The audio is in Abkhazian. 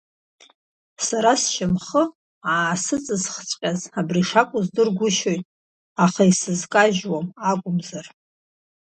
Сара сшьамхы аасыҵызхҵәҟьаз абри шакәу здыргәышьоит, аха исызкажьуам акәымзар.